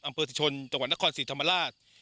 อำเผือสิทชนจังหวันณสิทธรรมราศ